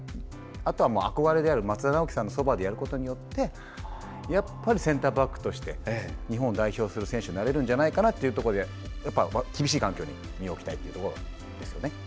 あとはもう、憧れである松田直樹さんのそばでやることでやっぱりセンターバックとして日本を代表をする選手としてなれるんじゃないかということで厳しい環境に身を置きたいというところですよね。